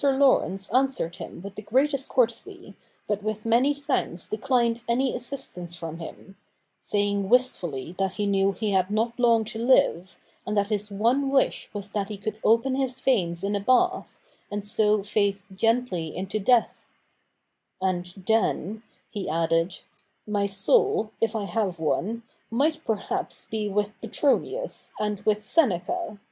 Laurence answered ' Vide Gibbon^ s Decline and Fall, chapter xv. CH. i] THE NEW REPUBLIC 9 him with the greatest courtesy, but with many thanks declined any assistance from him ; saying wistfully that he knew he had not long to live, and that his one wish was that he could open his veins in a bath, and so fade gently into death ;' and then,' he added, * my soul, if I have one, might perhaps be with Petronius, and ydih Seneca.